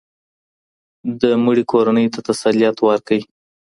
د مړي کورنۍ ته تسلیت ورکړئ.